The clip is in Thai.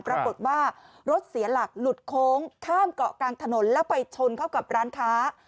ปรากฏว่ารถเสียหลักหลุดโค้งข้ามเกาะกลางถนนแล้วไปชนเข้ากับร้านค้า